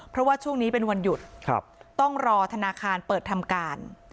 เพราะว่าช่วงนี้เป็นวันหยุดต้องรอธนาคารเปิดทำการ